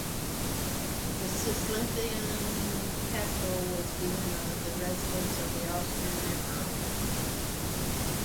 The Cisleithanian capital was Vienna, the residence of the Austrian emperor.